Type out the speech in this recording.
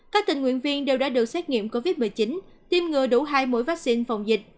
các tình nguyện viên đều đã được xét nghiệm covid một mươi chín tiêm ngừa đủ hai mũi vaccine phòng dịch